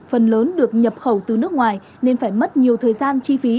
phần lớn được nhập khẩu từ nước ngoài nên phải mất nhiều thời gian chi phí